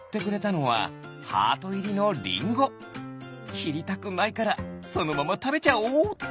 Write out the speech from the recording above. きりたくないからそのままたべちゃおうっと。